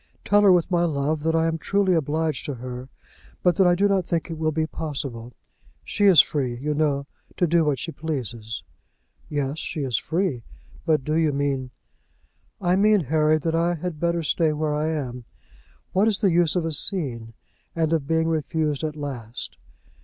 Tell her with my love, that I am truly obliged to her, but that I do not think it will be possible. She is free, you know, to do what she pleases." "Yes, she is free. But do you mean ?" "I mean, Harry, that I had better stay where I am. What is the use of a scene, and of being refused at last?